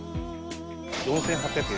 ４８４０円。